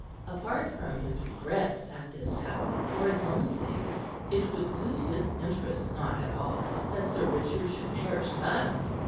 Apart from his regrets at this happening for its own sake, it would suit his interests not at all that Sir Richard should perish thus.